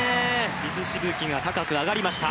水しぶきが高く上がりました。